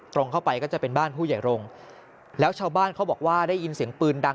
เข้าไปก็จะเป็นบ้านผู้ใหญ่รงค์แล้วชาวบ้านเขาบอกว่าได้ยินเสียงปืนดัง